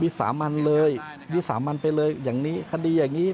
สามัญเลยวิสามันไปเลยอย่างนี้คดีอย่างนี้